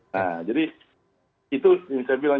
nah jadi itu yang saya bilang